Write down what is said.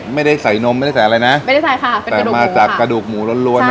ไม่ได้ใส่นมไม่ได้ใส่อะไรนะไม่ได้ใส่ค่ะเป็นกระดูกหมูค่ะแต่มาจากกระดูกหมูร้อนร้อนนะ